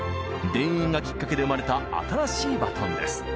「田園」がきっかけで生まれた新しいバトンです。